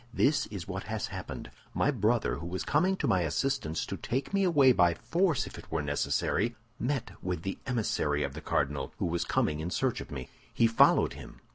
This is what has happened: My brother, who was coming to my assistance to take me away by force if it were necessary, met with the emissary of the cardinal, who was coming in search of me. He followed him.